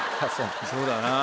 そうだな。